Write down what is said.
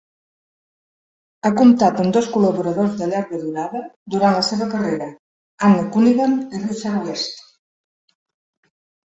Ha comptat amb dos col·laboradors de llarga durada durant la seva carrera, Anne Cunningham i Richard West.